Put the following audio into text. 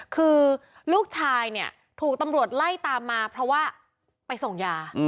คือลูกชายเนี่ยถูกตำรวจไล่ตามมาเพราะว่าไปส่งยา